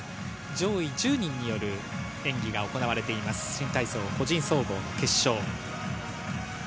上位１０人による演技が行わ新体操個人総合決勝。